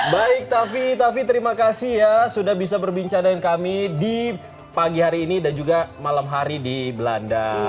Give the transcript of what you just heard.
baik taffy tavi terima kasih ya sudah bisa berbincang dengan kami di pagi hari ini dan juga malam hari di belanda